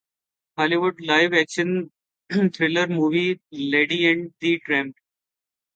ہالی would live action thriller movie lady and the Trump